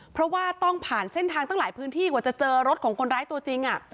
เพราะว่าต้องผ่านเส้นทางตั้งหลายพื้นที่กว่าจะเจอรถของคนร้ายตัวจริง